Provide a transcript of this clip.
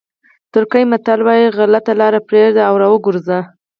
ترکي متل وایي غلطه لاره پرېږدئ او را وګرځئ.